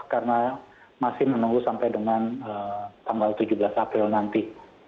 karena masih menunggu sampai dengan tanggal tujuh belas april nanti